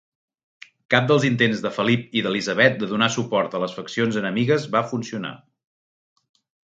Cap dels intents de Felip i d'Elisabet de donar suport a les faccions enemigues va funcionar.